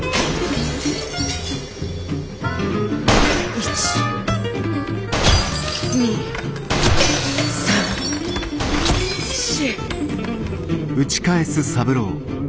１２３４。